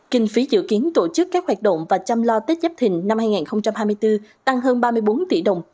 kinh phí dự kiến tổ chức các hoạt động và chăm lo tết dắp thịnh năm hai nghìn hai mươi bốn tăng hơn ba mươi bốn tỷ đồng